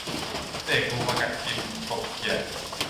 เสกงูมากัดกินกบเขียด